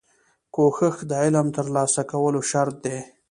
کوښښ د علم ترلاسه کولو شرط دی.